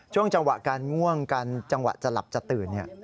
จังหวะการง่วงกันจังหวะจะหลับจะตื่น